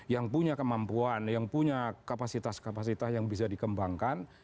yang punya kemampuan yang punya kapasitas kapasitas yang bisa dikembangkan